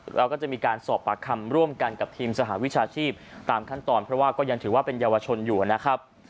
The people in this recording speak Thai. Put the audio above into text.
แล้วก็จะมีการสอบปากคำร่วมกันกับทีมสหวิชาชีพตามขั้นตอนเพราะว่าก็ยังถือว่าเป็นเยาวชนอยู่นะครับ